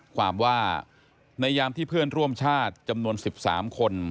ความว่าในยามที่เพื่อนร่วมชาติจำนวน๑๓คน